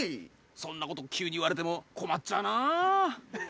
そんなこと急に言われても困っちゃうなぁ。